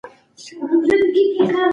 موږ به د غواګانو د مرض لپاره درمل واخلو.